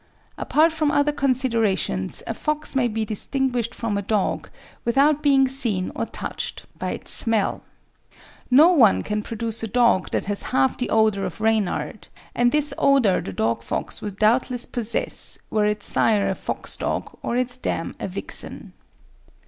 Apart from other considerations, a fox may be distinguished from a dog, without being seen or touched, by its smell. No one can produce a dog that has half the odour of Reynard, and this odour the dog fox would doubtless possess were its sire a fox dog or its dam a vixen.